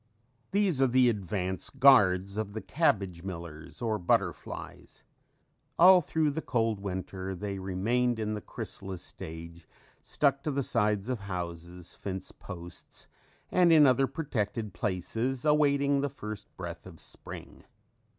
These are the advance guards of the cabbage millers or butterflies. All through the cold winter they remained in the chrysalis stage stuck to the sides of houses, fence posts and in other protected places, awaiting the first breath of spring.